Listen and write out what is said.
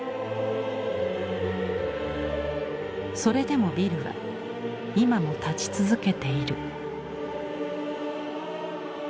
それでもビルは今も立ち続けている。